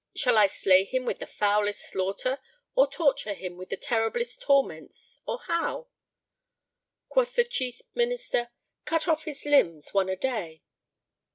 Shall I slay him with the foulest slaughter or torture him with the terriblest torments or how?" Quoth the Chief Minister, "Cut off his limbs, one a day."